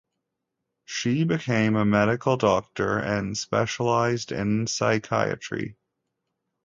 She became a medical doctor and specialized in psychiatry.